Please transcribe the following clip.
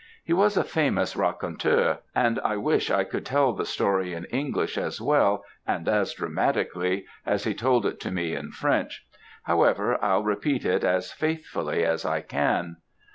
He was a famous raconteur; and I wish I could tell the story in English as well, and as dramatically, as he told it to me in French; however, I'll repeat it as faithfully as I can.